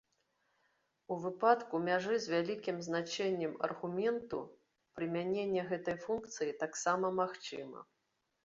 У выпадку мяжы з вялікім значэннем аргументу прымяненне гэтай функцыі таксама магчыма.